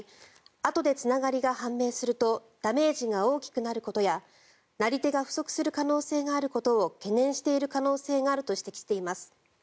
あとでつながりが判明するとダメージが大きくなることやなり手が不足する可能性があることを懸念している可能性があると指摘しています。